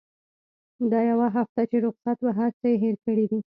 دا يوه هفته چې رخصت وه هرڅه يې هېر کړي دي.